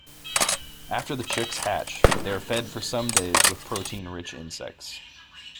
After the chicks hatch, they are fed for some days with protein-rich insects.